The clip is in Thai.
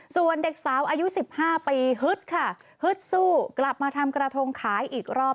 ส่วนเด็กสาวอายุ๑๕ปีฮึดค่ะฮึดสู้กลับมาทำกระทงขายอีกรอบ